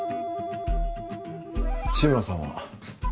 志村さんは？